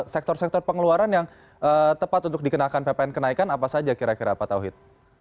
sektor sektor pengeluaran yang tepat untuk dikenakan ppn kenaikan apa saja kira kira pak tauhid